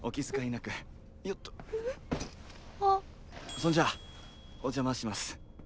そんじゃおジャ魔します。